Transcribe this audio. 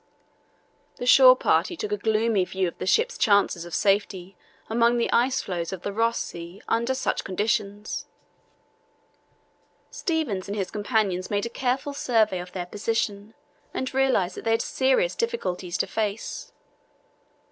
The shore party took a gloomy view of the ship's chances of safety among the ice floes of the Ross Sea under such conditions. Stevens and his companions made a careful survey of their position and realized that they had serious difficulties to face.